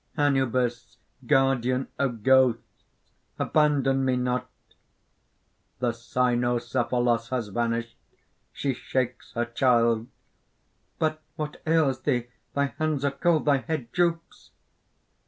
Anubis, guardian of ghosts, abandon me not!" (The Cynocephalos has vanished. She shakes her child.) "But ... what ails thee ... thy hands are cold, thy head droops!"